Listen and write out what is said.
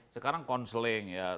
sekarang counseling ya